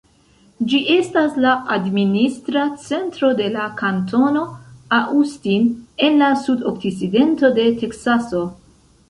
Ĝi estas la administra centro de la kantono Austin en la sudokcidento de Teksaso.